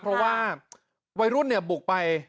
เพราะว่าวัยรุ่นบุกไป